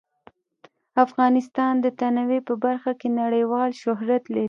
افغانستان د تنوع په برخه کې نړیوال شهرت لري.